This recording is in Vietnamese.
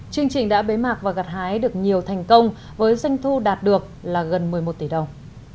chương trình đã bế mạc và gặt hái được nhiều thành công với doanh thu đạt được là gần một mươi một tỷ đồng